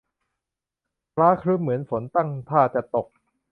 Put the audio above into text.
ฟ้าครึ้มเหมือนฝนตั้งท่าจะตก